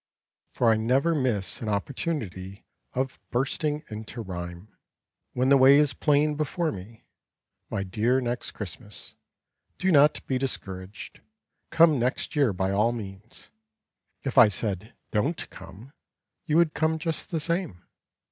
For I never miss an opportunity Of bursting into rhyme. When the way is plain before me. My dear Next Christmas, Do not be discouraged, Come next year by all means; If I said "Don't come" You would come just the same.